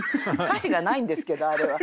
歌詞がないんですけどあれは。